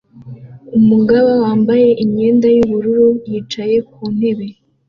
Umugabo wambaye imyenda yubururu yicaye ku ntebe